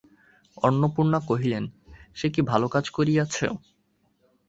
অন্নপূর্ণা কহিলেন, সে কি ভালো কাজ করিয়াছ?